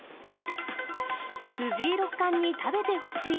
藤井六冠に食べてほしい！